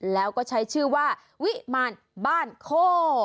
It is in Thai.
แล้วก็ใช้ชื่อว่าวิมารบ้านโค